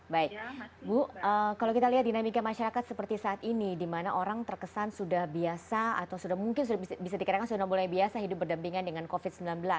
baik bu kalau kita lihat dinamika masyarakat seperti saat ini dimana orang terkesan sudah biasa atau mungkin sudah bisa dikatakan sudah mulai biasa hidup berdampingan dengan covid sembilan belas